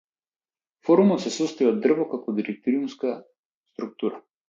Форумот се состои од дрво како директориумска структура.